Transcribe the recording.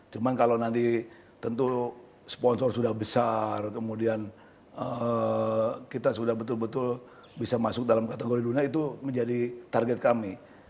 cuma kalau nanti tentu sponsor sudah besar kemudian kita sudah betul betul bisa masuk dalam kategori dunia itu menjadi target kami